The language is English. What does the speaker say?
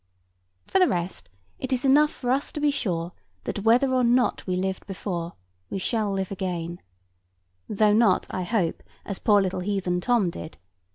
For the rest, it is enough for us to be sure that whether or not we lived before, we shall live again; though not, I hope, as poor little heathen Tom did.